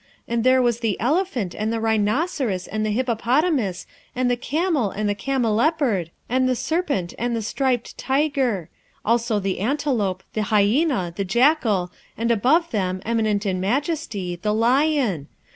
And there was the elephant and the rhinoceros and the hippopotamus, and the camel and the camelopard, and the serpent and the striped tiger; also the antelope, the hyena, the jackal, and above them, eminent in majesty, the lion.